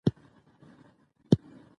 پاسپورت په جګري بکس کې پروت دی.